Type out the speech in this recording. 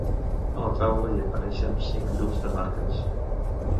A la taula hi apareixen cinc grups de marques.